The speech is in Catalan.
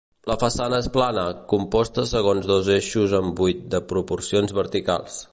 La façana és plana, composta segons dos eixos amb buit de proporcions verticals.